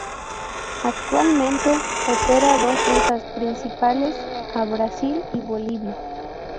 Actualmente opera dos rutas principales a Brasil y Bolivia.